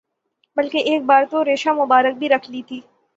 بلکہ ایک بار تو ریشہ مبارک بھی رکھ لی تھی